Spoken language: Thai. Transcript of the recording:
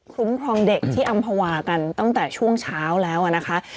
คุ้มครองเด็กที่อำภาวากันตั้งแต่ช่วงเช้าแล้วนะคะ